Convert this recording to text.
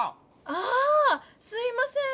あすいません。